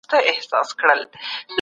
ستورپوهنې خپله لاره جلا کړه.